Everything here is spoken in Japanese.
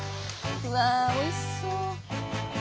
うわおいしそう！